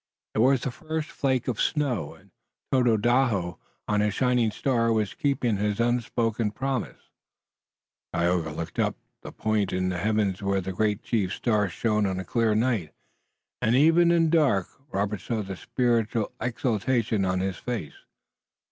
It was the first flake of snow, and Tododaho, on his shining star, was keeping his unspoken promise. Tayoga looked up toward the point in the heavens where the great chief's star shone on clear nights, and, even in the dark, Robert saw the spiritual exaltation on his face.